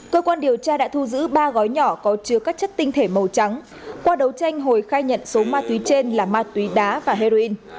cơ quan điều tra đã thu giữ ba gói nhỏ có chứa các chất tinh thể màu trắng qua đấu tranh hồi khai nhận số ma túy trên là ma túy đá và heroin